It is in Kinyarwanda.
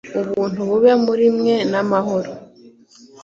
Ubuntu bube muri mwe n’amahoro,